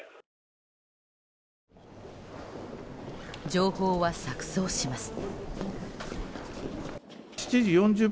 情報は錯綜します。